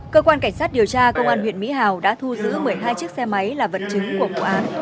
cơ quan cảnh sát điều tra công an huyện mỹ hào đã thu giữ một mươi hai chiếc xe máy là vật chứng của vụ án